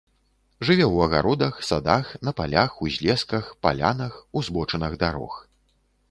Жыве ў агародах, садах, на палях, узлесках, палянах, узбочынах дарог.